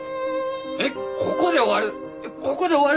えっここで終わる！？